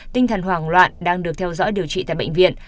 tinh thần hoảng loạn đang được theo dõi điều trị tại bệnh viện